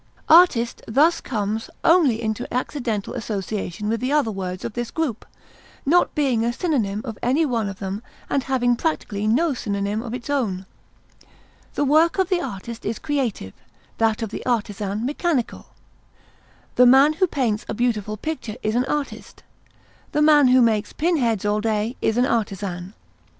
Artist thus comes only into accidental association with the other words of this group, not being a synonym of any one of them and having practically no synonym of its own. The work of the artist is creative; that of the artisan mechanical. The man who paints a beautiful picture is an artist; the man who makes pin heads all day is an artisan.